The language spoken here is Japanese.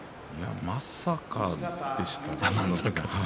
まさかでしたね。